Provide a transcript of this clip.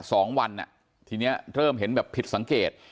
สองวันอ่ะทีเนี้ยเริ่มเห็นแบบผิดสังเกต